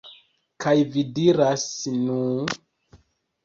Kaj vi diras, "Nu..."